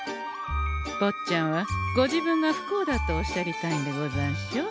ぼっちゃんはご自分が不幸だとおっしゃりたいんでござんしょう？